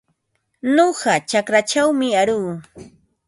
Nuqa chakraćhawmi aruu.